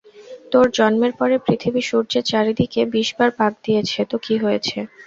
তোর জন্মের পরে পৃথিবী সূর্যের চারদিকে বিশ বার পাক দিয়েছে, তো কী হয়েছে?